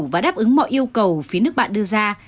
và đáp ứng mọi yêu cầu phía nước bạn đưa ra